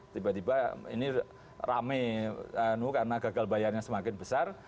tiba tiba ini rame karena gagal bayarnya semakin besar